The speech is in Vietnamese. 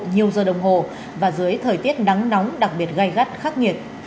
nhiều giờ đồng hồ và dưới thời tiết nắng nóng đặc biệt gai gắt khắc nghiệt